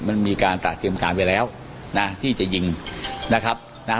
มันมีการตระเตรียมการไปแล้วนะที่จะยิงนะครับนะ